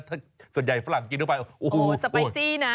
ถ้าส่วนใหญ่ฝรั่งกินเข้าไปโอ้โหสไปซี่นะ